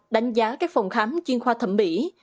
đánh giá các phòng khám chuyên khoa thẩm mỹ